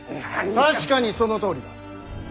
確かにそのとおりだ。